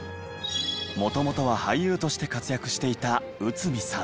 もともとは俳優として活躍していた内海さん。